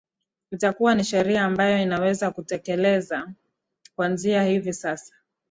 itakuwa ni sheria ambayo inaweza kutekelezeka kuanzia hivi sasa